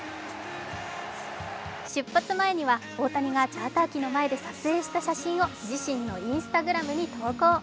出発前には大谷がチャーター機の前で撮影した写真を自身のＩｎｓｔａｇｒａｍに投稿。